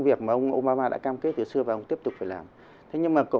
và giảm sự tụ thuộc